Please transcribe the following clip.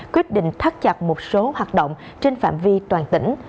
quyết định thắt chặt một số hoạt động trên phạm vi toàn tỉnh